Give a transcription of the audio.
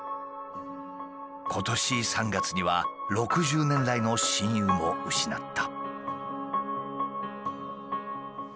今年３月には６０年来の親友も失った。